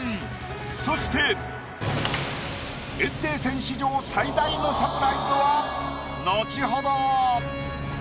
そして炎帝戦史上最大のサプライズは後ほど！